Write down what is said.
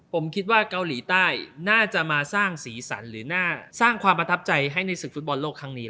ผมคิดว่าเกาหลีใต้น่าจะมาสร้างสีสันหรือน่าสร้างความประทับใจให้ในศึกฟุตบอลโลกครั้งนี้